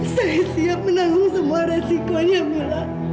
saya siap menanggung semua resikonya bula